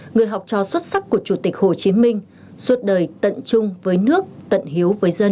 người học trò xuất sắc của chủ tịch hồ chí minh suốt đời tận chung với nước tận hiếu với dân